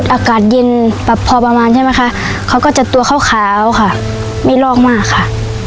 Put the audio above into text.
อากาศเย็นแบบพอประมาณใช่ไหมคะเขาก็จะตัวขาวค่ะไม่ลอกมากค่ะ